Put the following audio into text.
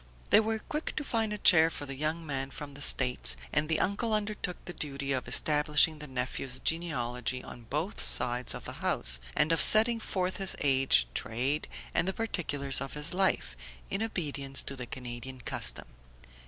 They were quick to find a chair for the young man from the States, and the uncle undertook the duty of establishing the nephew's genealogy on both sides of the house, and of setting forth his age, trade and the particulars of his life, in obedience to the Canadian custom.